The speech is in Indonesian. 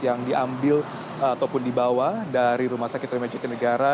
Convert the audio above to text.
yang diambil ataupun dibawa dari rumah sakit terminal jatinegara